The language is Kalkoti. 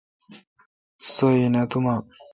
سو این اؘ اتوما۔